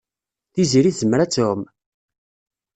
Tiziri tezmer ad tɛum.